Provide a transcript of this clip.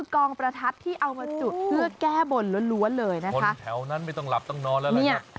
คนแถวนั้นไม่ต้องหลับต้องนอนแล้วนะ